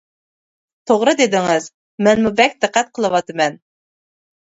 توغرا دېدىڭىز، مەنمۇ بەك دىققەت قىلىۋاتىمەن.